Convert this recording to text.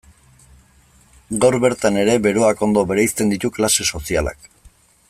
Gaur bertan ere beroak ondo bereizten ditu klase sozialak.